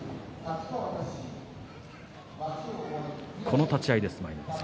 この立ち合いです。